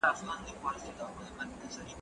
زه به سبا چپنه پاکوم!؟